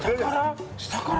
下から？